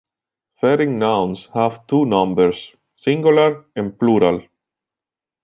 Fering nouns have two numbers - "singular" and "plural".